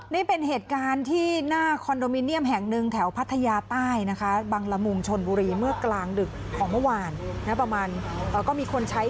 นี่เป็นเหตุการณ์ที่หน้าคอนโดมิเนียมแห่งหนึ่งแถวพัทยาใต้นะคะบังละมุงชนบุรีเมื่อกลางดึกของเมื่อวานนะประมาณก็มีคนใช้